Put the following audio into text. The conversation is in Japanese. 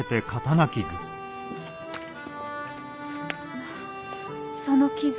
まあその傷。